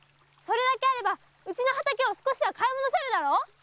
それだけあればうちの畑を少しは買い戻せるだろ？